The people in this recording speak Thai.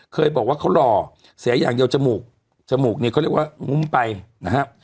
เคยบอกว่าเขาหล่อเสียอย่างเดียวจมูกจมูกเนี่ยเขาเรียกว่างุ้มไปนะฮะ